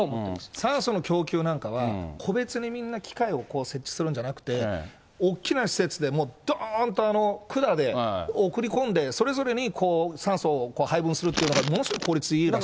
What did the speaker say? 酸素の供給なんかは、個別にみんな機械を設置するんではなくて、大きな施設でもうどーんと管で送り込んで、それぞれに酸素を配分するというのが、ものすごく効率いいらしいです。